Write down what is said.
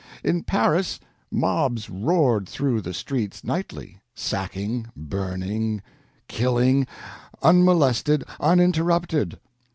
In Paris, mobs roared through the streets nightly, sacking, burning, killing, unmolested, uninterrupted.